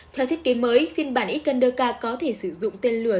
theo thiết kế mới phiên bản iskander k có thể sử dụng tên lửa